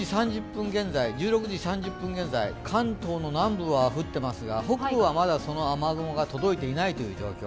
１６時３０分現在関東の南部は降っていますが、その雨雲が届いていないという状況。